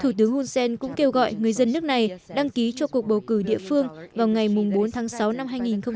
thủ tướng hun sen cũng kêu gọi người dân nước này đăng ký cho cuộc bầu cử địa phương vào ngày bốn tháng sáu năm hai nghìn hai mươi